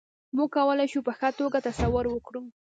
موږ کولای شو په ښه توګه تصور وکړو.